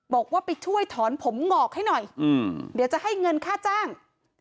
บอกว่าไปช่วยถอนผมงอกให้หน่อยเดี๋ยวจะให้เงินค่าจ้าง